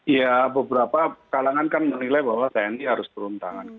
ya beberapa kalangan kan menilai bahwa tni harus beruntangan